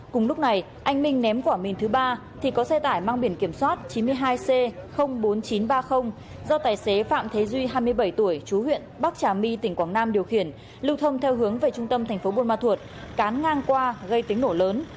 cùng lúc này anh minh ném quả mìn thứ ba thì có xe tải mang biển kiểm soát chín mươi hai c bốn nghìn chín trăm ba mươi do tài xế phạm thế duy hai mươi bảy tuổi chú huyện bắc trà my tỉnh quảng nam điều khiển lưu thông theo hướng về trung tâm thành phố buôn ma thuột cán ngang qua gây tiếng nổ lớn